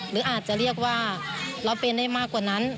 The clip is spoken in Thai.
หรืออาจจะเรียกว่าเราเป็นได้มากกว่านั้น